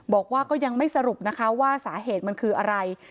บอกว่าก็ยังไม่สรุปนะคะว่าสาเหตุมันคืออะไร